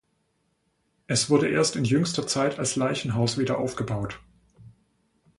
Es wurde erst in jüngster Zeit als Leichenhaus wieder aufgebaut.